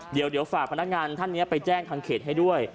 เดี๋ยวฝากพนักงานท่านนี้ไปแจ้งทางเขตให้ด้วย